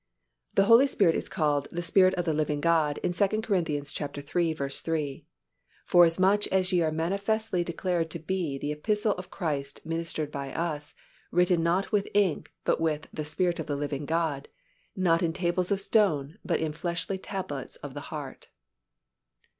_ The Holy Spirit is called "The Spirit of the living God" in 2 Cor. iii. 3, "Forasmuch as ye are manifestly declared to be the epistle of Christ ministered by us, written not with ink, but with the Spirit of the living God; not in tables of stone, but in fleshy tables of the heart."